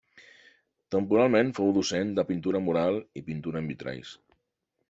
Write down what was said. Temporalment fou docent de pintura mural i pintura en vitralls.